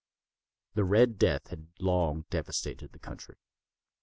The "Red Death" had long devastated the country.